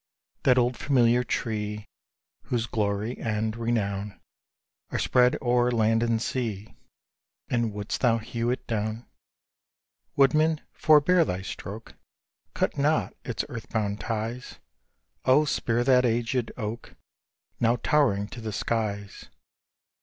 That old familiar tree, Whose glory and renown Are spread o'er land and sea And wouldst thou hew it down? Woodman, forebear thy stroke! Cut not its earth bound ties; Oh, spare that aged oak, Now towering to the skies!